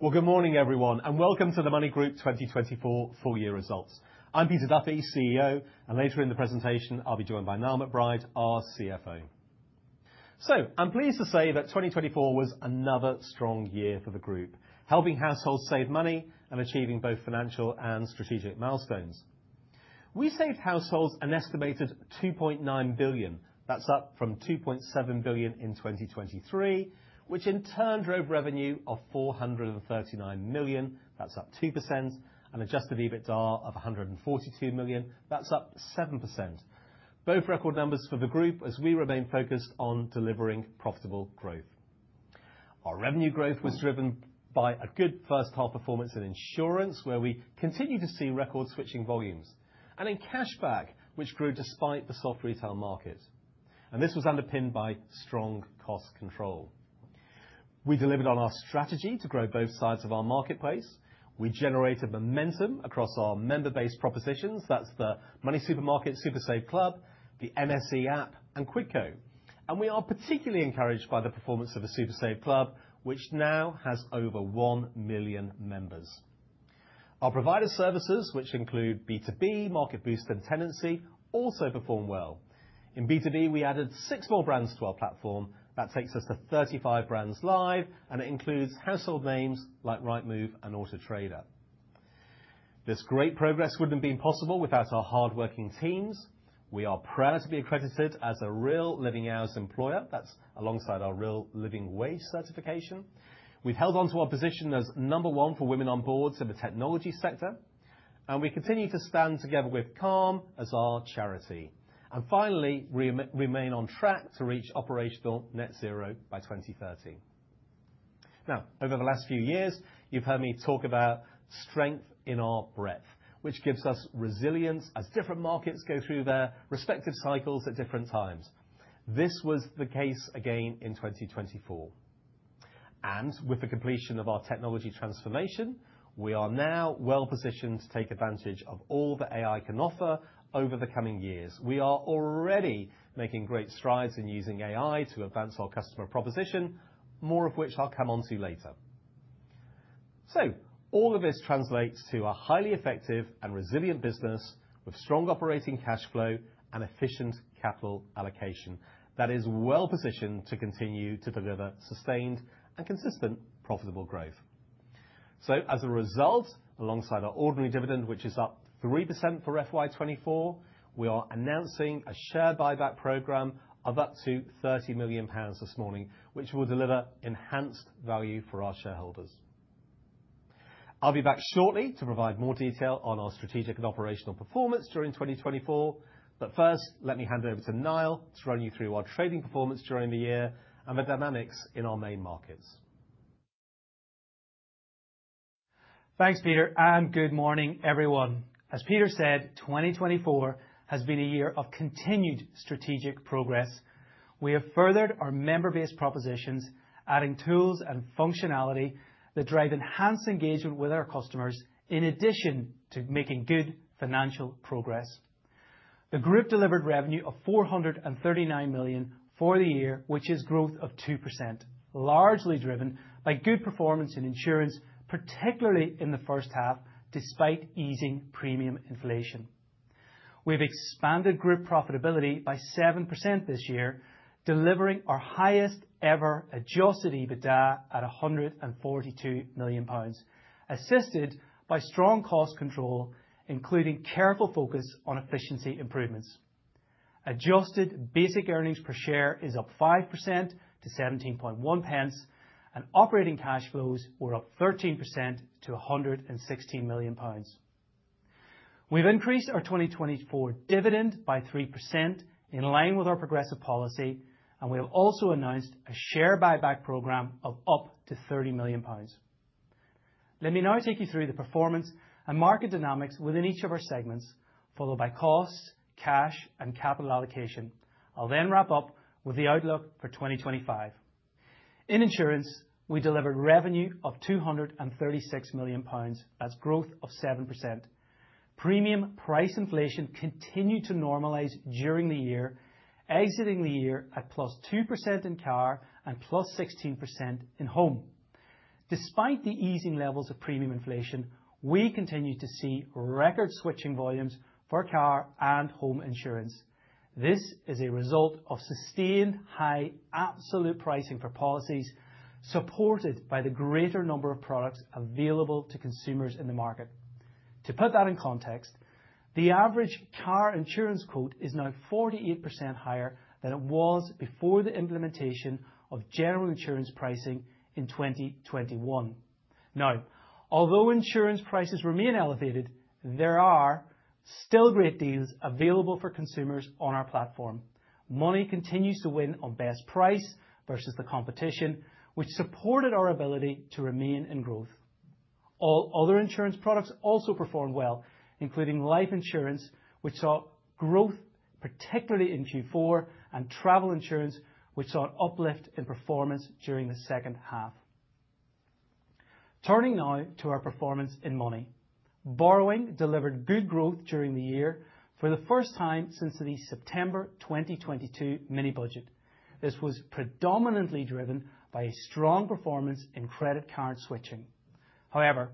Good morning, everyone, and welcome to the MONY Group 2024 full-year results. I'm Peter Duffy, CEO, and later in the presentation, I'll be joined by Niall McBride, our CFO. I'm pleased to say that 2024 was another strong year for the group, helping households save money and achieving both financial and strategic milestones. We saved households an estimated 2.9 billion. That's up from 2.7 billion in 2023, which in turn drove revenue of 439 million. That's up 2%, and adjusted EBITDA of 142 million. That's up 7%. Both record numbers for the group as we remain focused on delivering profitable growth. Our revenue growth was driven by a good first-half performance in insurance, where we continue to see record-switching volumes, and in cashback, which grew despite the soft retail market. This was underpinned by strong cost control. We delivered on our strategy to grow both sides of our marketplace. We generated momentum across our member-based propositions. That's the MoneySuperMarket SuperSaveClub, the MSE App, and Quidco, and we are particularly encouraged by the performance of the SuperSaveClub, which now has over 1 million members. Our provider services, which include B2B, Market Boost, and tenancy, also perform well. In B2B, we added six more brands to our platform. That takes us to 35 brands live, and it includes household names like Rightmove and Auto Trader. This great progress wouldn't have been possible without our hardworking teams. We are proud to be accredited as a real Living Hours employer. That's alongside our real Living Wage certification. We've held on to our position as number one for women on boards in the technology sector, and we continue to stand together with CALM as our charity. And finally, we remain on track to reach operational Net Zero by 2030. Now, over the last few years, you've heard me talk about strength in our breadth, which gives us resilience as different markets go through their respective cycles at different times. This was the case again in 2024. And with the completion of our technology transformation, we are now well-positioned to take advantage of all that AI can offer over the coming years. We are already making great strides in using AI to advance our customer proposition, more of which I'll come on to later. So, all of this translates to a highly effective and resilient business with strong operating cash flow and efficient capital allocation that is well-positioned to continue to deliver sustained and consistent profitable growth. So, as a result, alongside our ordinary dividend, which is up 3% for FY 2024, we are announcing a share buyback program of up to 30 million pounds this morning, which will deliver enhanced value for our shareholders. I'll be back shortly to provide more detail on our strategic and operational performance during 2024, but first, let me hand it over to Niall to run you through our trading performance during the year and the dynamics in our main markets. Thanks, Peter, and good morning, everyone. As Peter said, 2024 has been a year of continued strategic progress. We have furthered our member-based propositions, adding tools and functionality that drive enhanced engagement with our customers in addition to making good financial progress. The group delivered revenue of 439 million for the year, which is growth of 2%, largely driven by good performance in insurance, particularly in the first half, despite easing premium inflation. We've expanded group profitability by 7% this year, delivering our highest-ever Adjusted EBITDA at 142 million pounds, assisted by strong cost control, including careful focus on efficiency improvements. Adjusted Basic Earnings Per Share is up 5% to 17.1, and operating cash flows were up 13% to 116 million pounds. We've increased our 2024 dividend by 3% in line with our progressive policy, and we have also announced a share buyback program of up to 30 million pounds. Let me now take you through the performance and market dynamics within each of our segments, followed by cost, cash, and capital allocation. I'll then wrap up with the outlook for 2025. In insurance, we delivered revenue of 236 million pounds as growth of 7%. Premium price inflation continued to normalize during the year, exiting the year at +2% in car and +16% in home. Despite the easing levels of premium inflation, we continue to see record-switching volumes for car and home insurance. This is a result of sustained high absolute pricing for policies supported by the greater number of products available to consumers in the market. To put that in context, the average car insurance quote is now 48% higher than it was before the implementation of general insurance pricing in 2021. Now, although insurance prices remain elevated, there are still great deals available for consumers on our platform. MONY continues to win on best price versus the competition, which supported our ability to remain in growth. All other insurance products also performed well, including life insurance, which saw growth, particularly in Q4, and travel insurance, which saw an uplift in performance during the second half. Turning now to our performance in MONY, borrowing delivered good growth during the year for the first time since the September 2022 mini-budget. This was predominantly driven by a strong performance in credit card switching. However,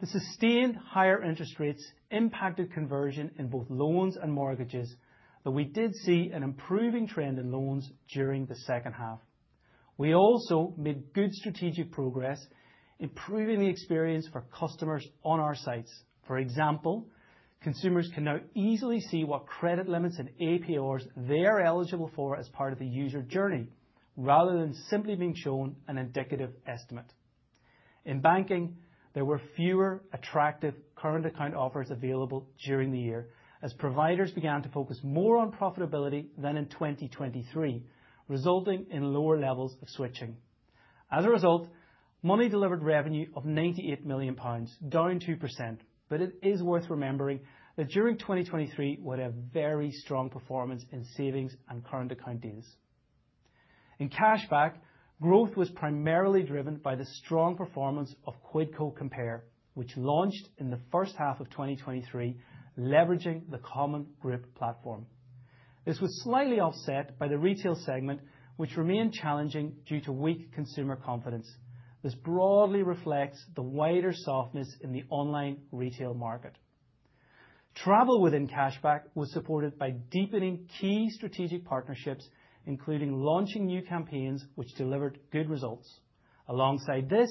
the sustained higher interest rates impacted conversion in both loans and mortgages, though we did see an improving trend in loans during the second half. We also made good strategic progress, improving the experience for customers on our sites. For example, consumers can now easily see what credit limits and APRs they are eligible for as part of the user journey, rather than simply being shown an indicative estimate. In banking, there were fewer attractive current account offers available during the year as providers began to focus more on profitability than in 2023, resulting in lower levels of switching. As a result, MONY delivered revenue of 98 million pounds, down 2%, but it is worth remembering that during 2023, we had a very strong performance in savings and current account deals. In cashback, growth was primarily driven by the strong performance of Quidco, which launched in the first half of 2023, leveraging the common group platform. This was slightly offset by the retail segment, which remained challenging due to weak consumer confidence. This broadly reflects the wider softness in the online retail market. Travel within cashback was supported by deepening key strategic partnerships, including launching new campaigns which delivered good results. Alongside this,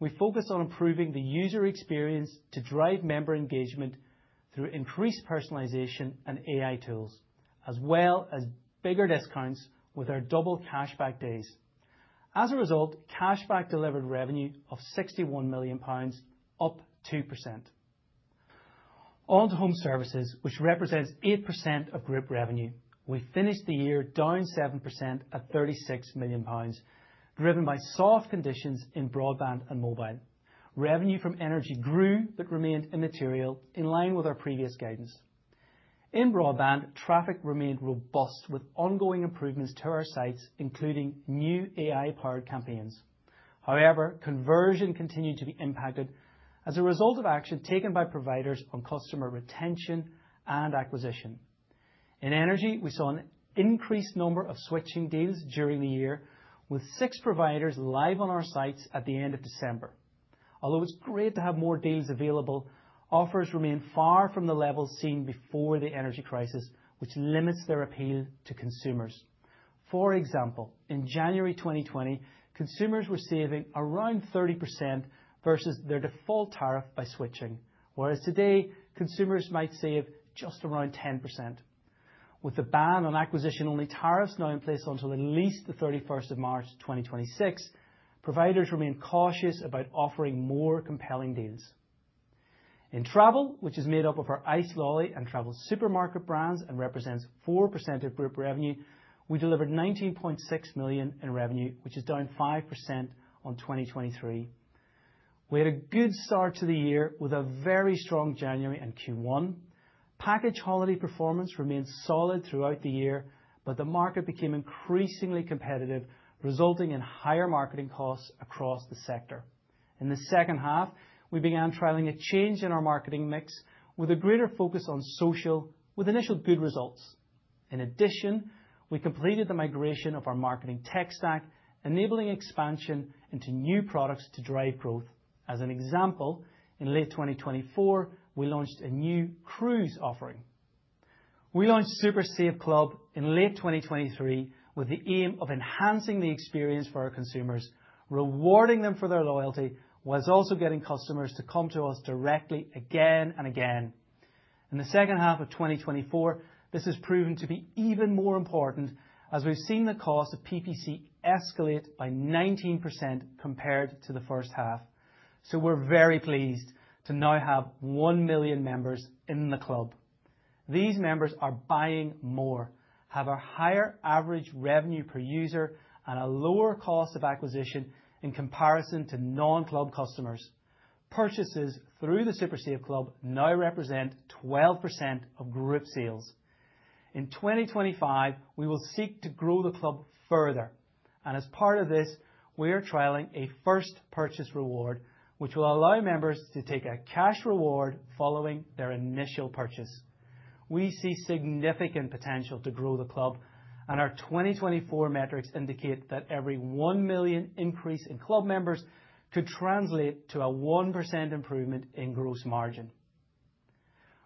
we focused on improving the user experience to drive member engagement through increased personalization and AI tools, as well as bigger discounts with our double cashback days. As a result, cashback delivered revenue of 61 million pounds, up 2%. On to home services, which represents 8% of group revenue. We finished the year down 7% at 36 million pounds, driven by soft conditions in broadband and mobile. Revenue from energy grew but remained immaterial, in line with our previous guidance. In broadband, traffic remained robust with ongoing improvements to our sites, including new AI-powered campaigns. However, conversion continued to be impacted as a result of action taken by providers on customer retention and acquisition. In energy, we saw an increased number of switching deals during the year, with six providers live on our sites at the end of December. Although it's great to have more deals available, offers remain far from the levels seen before the energy crisis, which limits their appeal to consumers. For example, in January 2020, consumers were saving around 30% versus their default tariff by switching, whereas today, consumers might save just around 10%. With the ban on acquisition-only tariffs now in place until at least March 31st, 2026, providers remain cautious about offering more compelling deals. In travel, which is made up of our icelolly.com and TravelSupermarket brands and represents 4% of group revenue, we delivered 19.6 million in revenue, which is down 5% on 2023. We had a good start to the year with a very strong January and Q1. Package holiday performance remained solid throughout the year, but the market became increasingly competitive, resulting in higher marketing costs across the sector. In the second half, we began trialing a change in our marketing mix with a greater focus on social, with initial good results. In addition, we completed the migration of our marketing tech stack, enabling expansion into new products to drive growth. As an example, in late 2024, we launched a new cruise offering. We launched SuperSaveClub in late 2023 with the aim of enhancing the experience for our consumers, rewarding them for their loyalty while also getting customers to come to us directly again and again. In the second half of 2024, this has proven to be even more important as we've seen the cost of PPC escalate by 19% compared to the first half. We are very pleased to now have 1 million members in the club. These members are buying more, have a higher average revenue per user, and a lower cost of acquisition in comparison to non-club customers. Purchases through the SuperSave Club now represent 12% of group sales. In 2025, we will seek to grow the club further. As part of this, we are trialing a first purchase reward, which will allow members to take a cash reward following their initial purchase. We see significant potential to grow the club, and our 2024 metrics indicate that every 1 million increase in club members could translate to a 1% improvement in gross margin.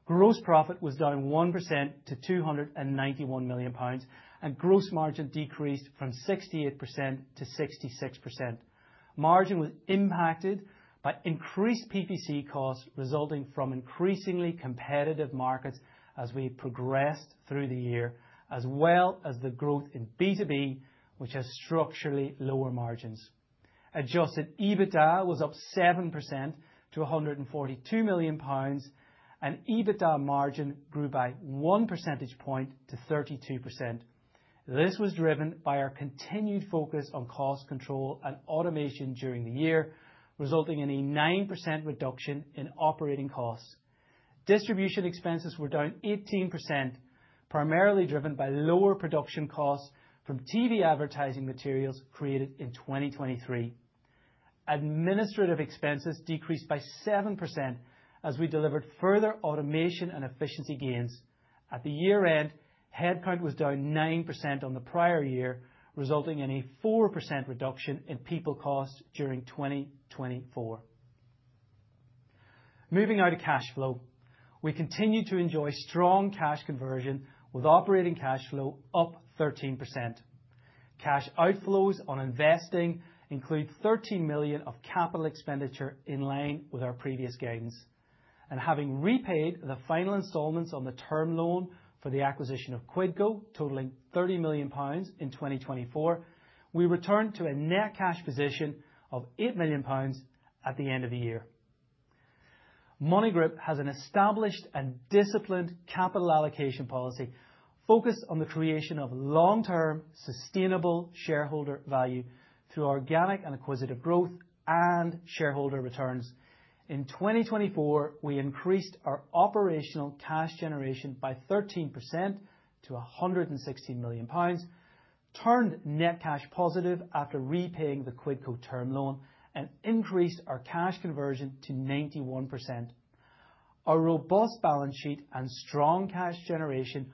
Gross profit was down 1% to 291 million pounds, and gross margin decreased from 68% to 66%. Margin was impacted by increased PPC costs resulting from increasingly competitive markets as we progressed through the year, as well as the growth in B2B, which has structurally lower margins. Adjusted EBITDA was up 7% to 142 million pounds, and EBITDA margin grew by one percentage point to 32%. This was driven by our continued focus on cost control and automation during the year, resulting in a 9% reduction in operating costs. Distribution expenses were down 18%, primarily driven by lower production costs from TV advertising materials created in 2023. Administrative expenses decreased by 7% as we delivered further automation and efficiency gains. At the year-end, headcount was down 9% on the prior year, resulting in a 4% reduction in people costs during 2024. Moving out of cash flow, we continue to enjoy strong cash conversion with operating cash flow up 13%. Cash outflows on investing include 13 million of capital expenditure in line with our previous guidance. Having repaid the final installments on the term loan for the acquisition of Quidco totaling 30 million pounds in 2024, we returned to a net cash position of 8 million pounds at the end of the year. MONY Group has an established and disciplined capital allocation policy focused on the creation of long-term sustainable shareholder value through organic and acquisitive growth and shareholder returns. In 2024, we increased our operational cash generation by 13% to 116 million pounds, turned net cash positive after repaying the Quidco term loan, and increased our cash conversion to 91%. Our robust balance sheet and strong cash generation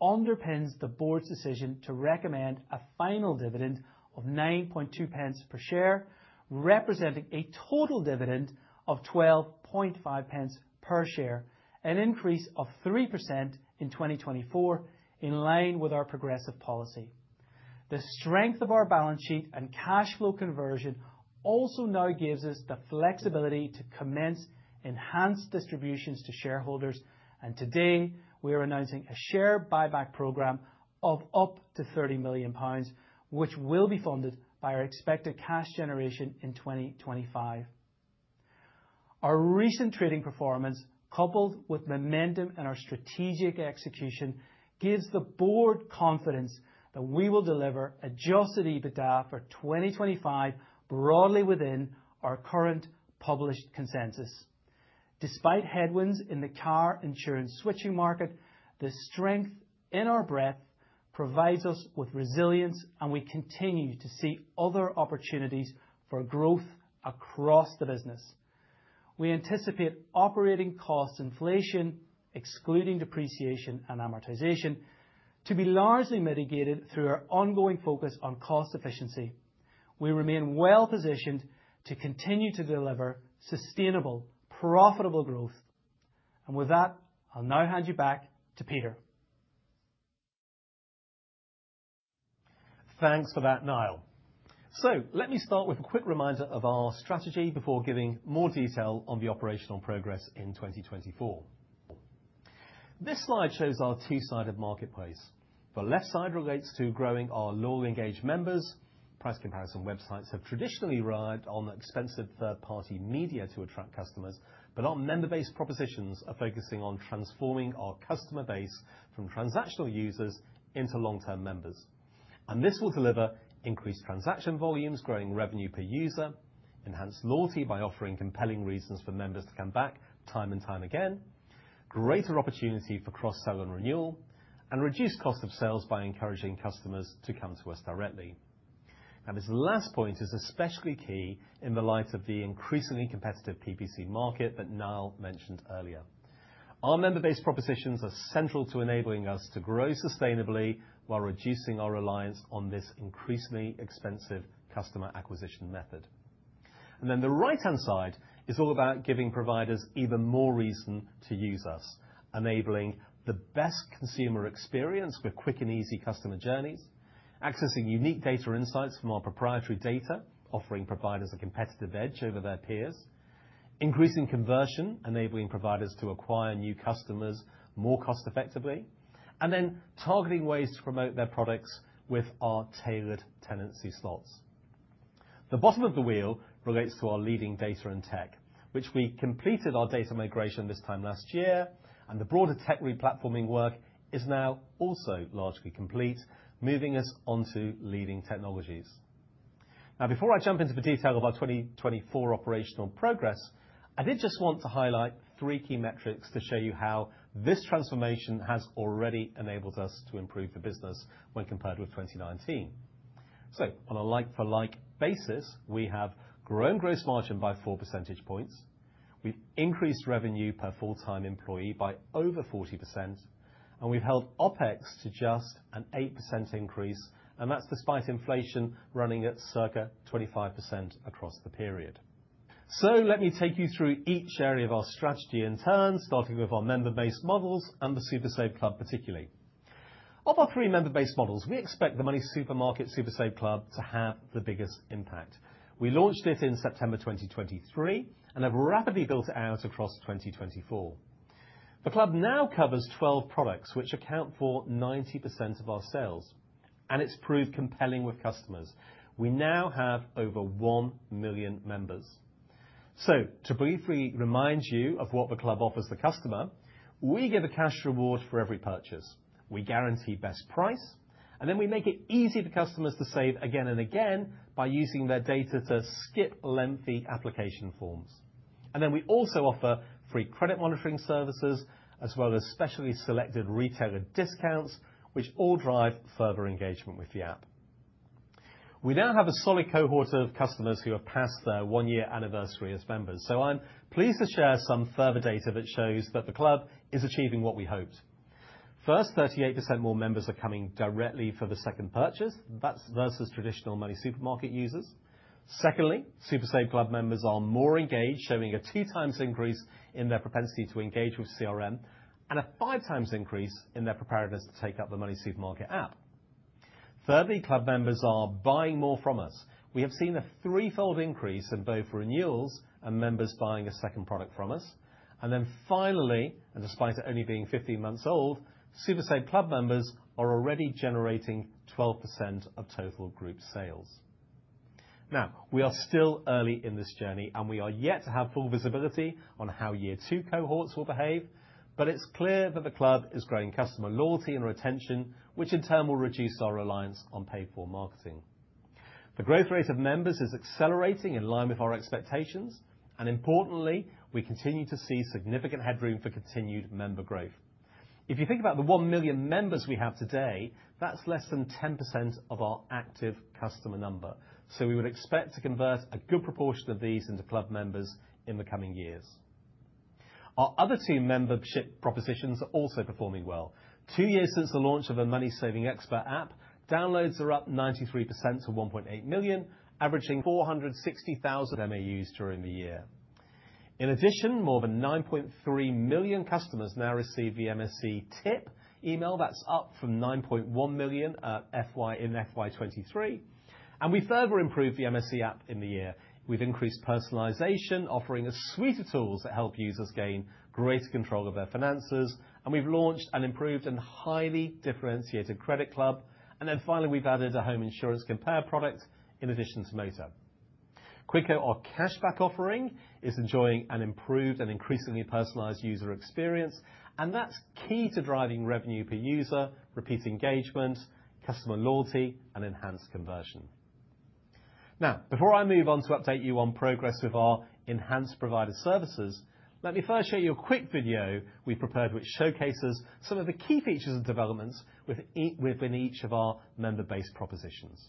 underpins the board's decision to recommend a final dividend of 9.20 per share, representing a total dividend of 12.50 per share, an increase of 3% in 2024 in line with our progressive policy. The strength of our balance sheet and cash flow conversion also now gives us the flexibility to commence enhanced distributions to shareholders, and today, we are announcing a share buyback program of up to 30 million pounds, which will be funded by our expected cash generation in 2025. Our recent trading performance, coupled with momentum in our strategic execution, gives the board confidence that we will deliver adjusted EBITDA for 2025 broadly within our current published consensus. Despite headwinds in the car insurance switching market, the strength in our breadth provides us with resilience, and we continue to see other opportunities for growth across the business. We anticipate operating cost inflation, excluding depreciation and amortization, to be largely mitigated through our ongoing focus on cost efficiency. We remain well positioned to continue to deliver sustainable, profitable growth, and with that, I'll now hand you back to Peter. Thanks for that, Niall. So let me start with a quick reminder of our strategy before giving more detail on the operational progress in 2024. This slide shows our two-sided marketplace. The left side relates to growing our loyal engaged members. Price comparison websites have traditionally relied on expensive third-party media to attract customers, but our member-based propositions are focusing on transforming our customer base from transactional users into long-term members. And this will deliver increased transaction volumes, growing revenue per user, enhanced loyalty by offering compelling reasons for members to come back time and time again, greater opportunity for cross-sell and renewal, and reduced cost of sales by encouraging customers to come to us directly. Now, this last point is especially key in the light of the increasingly competitive PPC market that Niall mentioned earlier. Our member-based propositions are central to enabling us to grow sustainably while reducing our reliance on this increasingly expensive customer acquisition method. And then the right-hand side is all about giving providers even more reason to use us, enabling the best consumer experience with quick and easy customer journeys, accessing unique data insights from our proprietary data, offering providers a competitive edge over their peers, increasing conversion, enabling providers to acquire new customers more cost-effectively, and then targeting ways to promote their products with our tailored tenancy slots. The bottom of the wheel relates to our leading data and tech, which we completed our data migration this time last year, and the broader tech re-platforming work is now also largely complete, moving us onto leading technologies. Now, before I jump into the detail of our 2024 operational progress, I did just want to highlight three key metrics to show you how this transformation has already enabled us to improve the business when compared with 2019, so on a like-for-like basis, we have grown gross margin by 4 percentage points. We've increased revenue per full-time employee by over 40%, and we've held OpEx to just an 8% increase, and that's despite inflation running at circa 25% across the period, so let me take you through each area of our strategy in turn, starting with our member-based models and the SuperSave Club particularly. Of our three member-based models, we expect the MoneySuperMarket SuperSave Club to have the biggest impact. We launched it in September 2023 and have rapidly built it out across 2024. The club now covers 12 products, which account for 90% of our sales, and it's proved compelling with customers. We now have over 1 million members. So, to briefly remind you of what the club offers the customer, we give a cash reward for every purchase. We guarantee best price, and then we make it easy for customers to save again and again by using their data to skip lengthy application forms. And then we also offer free credit monitoring services as well as specially selected retailer discounts, which all drive further engagement with the app. We now have a solid cohort of customers who have passed their one-year anniversary as members. So I'm pleased to share some further data that shows that the club is achieving what we hoped. First, 38% more members are coming directly for the second purchase. That's versus traditional MoneySuperMarket users. Secondly, SuperSave Club members are more engaged, showing a 2x increase in their propensity to engage with CRM and a 5x increase in their preparedness to take up the MoneySuperMarket app. Thirdly, club members are buying more from us. We have seen a threefold increase in both renewals and members buying a second product from us. And then finally, and despite it only being 15 months old, SuperSave Club members are already generating 12% of total group sales. Now, we are still early in this journey, and we are yet to have full visibility on how year-two cohorts will behave, but it's clear that the club is growing customer loyalty and retention, which in turn will reduce our reliance on paid-for marketing. The growth rate of members is accelerating in line with our expectations, and importantly, we continue to see significant headroom for continued member growth. If you think about the one million members we have today, that's less than 10% of our active customer number. So we would expect to convert a good proportion of these into club members in the coming years. Our other two membership propositions are also performing well. Two years since the launch of the MoneySavingExpert app, downloads are up 93% to 1.8 million, averaging 460,000 MAUs during the year. In addition, more than 9.3 million customers now receive the MSE tip email. That's up from 9.1 million in FY23. And we further improved the MSE app in the year. We've increased personalization, offering a suite of tools that help users gain greater control of their finances, and we've launched an improved and highly differentiated Credit Club. And then finally, we've added a home insurance compare product in addition to motor. Quidco, our cashback offering, is enjoying an improved and increasingly personalized user experience, and that's key to driving revenue per user, repeat engagement, customer loyalty, and enhanced conversion. Now, before I move on to update you on progress with our enhanced provider services, let me first show you a quick video we've prepared, which showcases some of the key features and developments within each of our member-based propositions,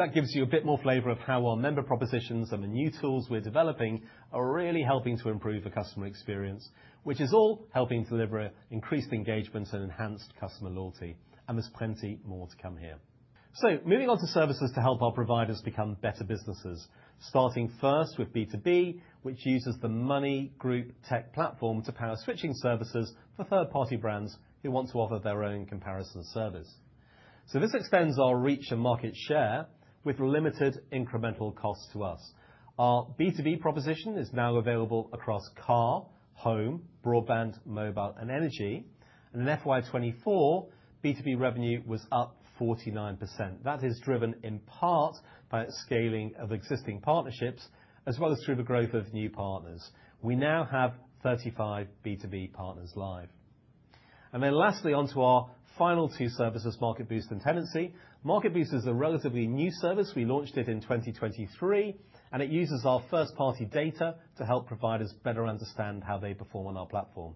so I hope that gives you a bit more flavor of how our member propositions and the new tools we're developing are really helping to improve the customer experience, which is all helping to deliver increased engagements and enhanced customer loyalty, and there's plenty more to come here. Moving on to services to help our providers become better businesses, starting first with B2B, which uses the MONY Group Tech Platform to power switching services for third-party brands who want to offer their own comparison service. This extends our reach and market share with limited incremental costs to us. Our B2B proposition is now available across car, home, broadband, mobile, and energy. In FY 2024, B2B revenue was up 49%. That is driven in part by scaling of existing partnerships as well as through the growth of new partners. We now have 35 B2B partners live. Then lastly, onto our final two services, Market Boost and tenancy. Market Boost is a relatively new service. We launched it in 2023, and it uses our first-party data to help providers better understand how they perform on our platform.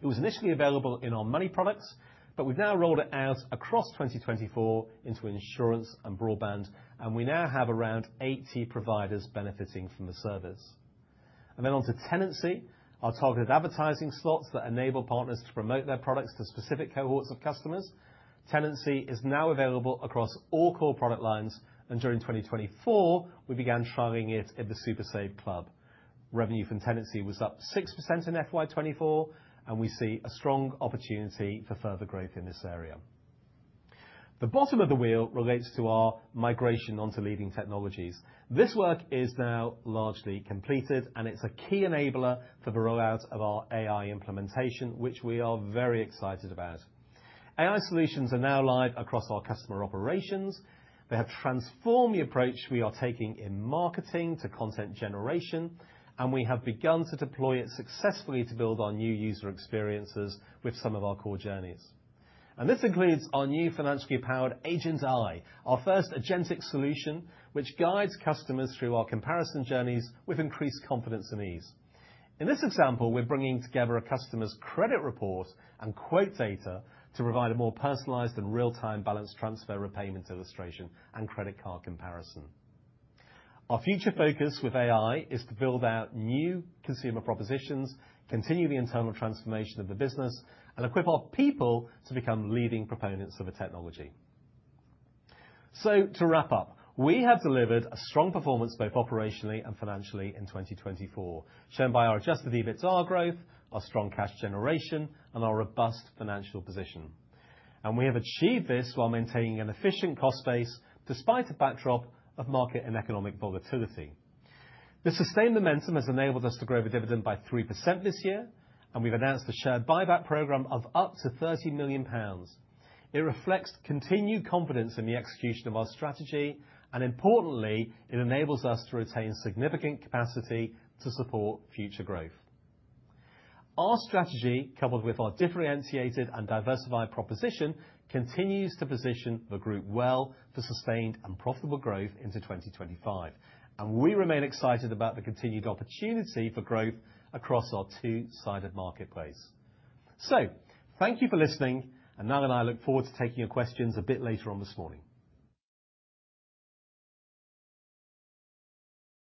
It was initially available in our MONY products, but we've now rolled it out across 2024 into insurance and broadband, and we now have around 80 providers benefiting from the service. And then onto tenancy, our targeted advertising slots that enable partners to promote their products to specific cohorts of customers. Tenancy is now available across all core product lines, and during 2024, we began trying it at the SuperSave Club. Revenue from tenancy was up 6% in FY 2024, and we see a strong opportunity for further growth in this area. The bottom of the wheel relates to our migration onto leading technologies. This work is now largely completed, and it's a key enabler for the rollout of our AI implementation, which we are very excited about. AI solutions are now live across our customer operations. They have transformed the approach we are taking in marketing to content generation, and we have begun to deploy it successfully to build our new user experiences with some of our core journeys, and this includes our new financially powered Agent AI, our first agentic solution, which guides customers through our comparison journeys with increased confidence and ease. In this example, we're bringing together a customer's credit report and quote data to provide a more personalized and real-time balance transfer repayment illustration and credit card comparison. Our future focus with AI is to build out new consumer propositions, continue the internal transformation of the business, and equip our people to become leading proponents of a technology, so to wrap up, we have delivered a strong performance both operationally and financially in 2024, shown by our Adjusted EBITDA growth, our strong cash generation, and our robust financial position. We have achieved this while maintaining an efficient cost base despite a backdrop of market and economic volatility. The sustained momentum has enabled us to grow the dividend by 3% this year, and we've announced a share buyback program of up to 30 million pounds. It reflects continued confidence in the execution of our strategy, and importantly, it enables us to retain significant capacity to support future growth. Our strategy, coupled with our differentiated and diversified proposition, continues to position the group well for sustained and profitable growth into 2025. We remain excited about the continued opportunity for growth across our two-sided marketplace. Thank you for listening, and Niall and I look forward to taking your questions a bit later on this morning.